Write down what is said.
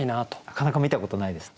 なかなか見たことないです。